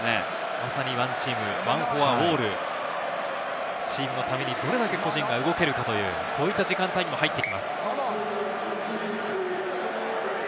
まさにＯＮＥＴＥＡＭ、ワンフォーオール、チームのために、どれだけ個人が動けるかという、そういった時間帯にも入ってきます。